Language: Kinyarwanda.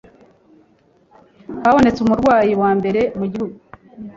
Habonetse umurwayi wambere mugihugu